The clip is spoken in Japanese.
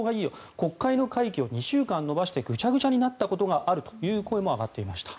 国会の会期を２週間延ばしてぐちゃぐちゃになったことがあるという声も上がっていました。